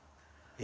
え。